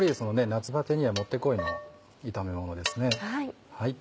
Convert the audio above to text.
夏バテにはもってこいの炒めものですね。